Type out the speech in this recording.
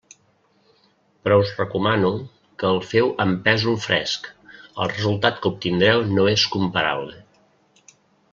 Però us recomano que el feu amb pèsol fresc: el resultat que obtindreu no és comparable.